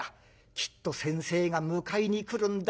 『きっと先生が迎えに来るんだ。